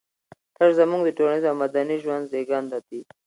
تش زموږ د ټولنيز او مدني ژوند زېږنده دي.